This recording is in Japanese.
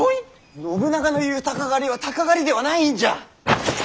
信長の言う鷹狩りは鷹狩りではないんじゃ！